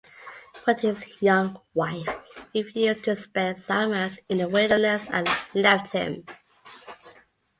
But his young wife refused to spend summers in the wilderness and left him.